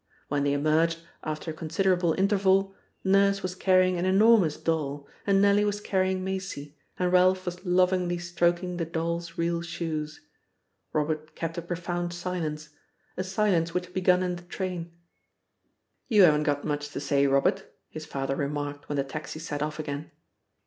When they emerged, after a considerable interval, Nurse was carrying an enormous doll, and Nellie was carrying Maisie, and Ralph was lovingly stroking the doll's real shoes. Robert kept a profound silence a silence which had begun in the train. "You haven't got much to say, Robert," his father remarked when the taxi set off again.